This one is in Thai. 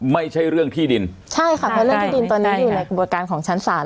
ไม่ใช่เรื่องที่ดินใช่ค่ะเพราะเรื่องที่ดินตอนนี้อยู่ในกระบวนการของชั้นศาล